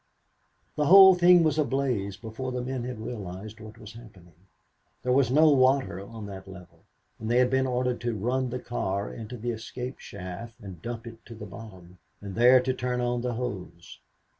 The whole thing was ablaze before the men had realized what was happening. There was no water on that level, and they had been ordered to run the car into the escape shaft and dump it to the bottom, and there to turn on the hose.